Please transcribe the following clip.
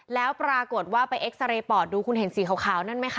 แล้วปรากฏว่าไปเอ็กซาเรย์ปอดดูคุณเห็นสีขาวนั่นไหมคะ